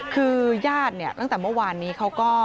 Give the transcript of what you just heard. คือญาติเนี่ยตั้งแต่เมื่อวานนี้เขาก็